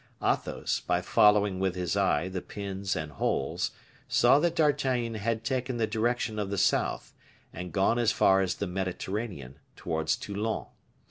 Athos, by following with his eye the pins and holes, saw that D'Artagnan had taken the direction of the south, and gone as far as the Mediterranean, towards Toulon.